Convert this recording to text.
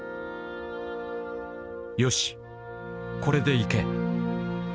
「よしこれでいけ」。